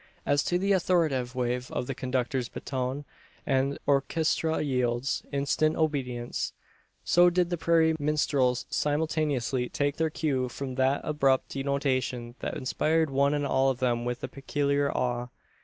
As to the authoritative wave of the conductor's baton the orchestra yields instant obedience, so did the prairie minstrels simultaneously take their cue from that abrupt detonation, that inspired one and all of them with a peculiar awe.